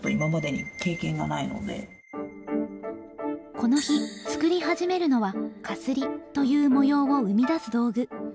この日作り始めるのはかすりという模様を生み出す道具。